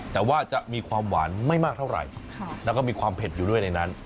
แต่ว่าจะมีความหวานไม่มากเท่าไหร่แล้วก็มีความเผ็ดอยู่ด้วยในนั้น